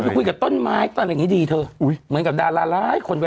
คุยกับต้นไม้ต้นอะไรอย่างงี้ดีเหมือนดาลาร้าย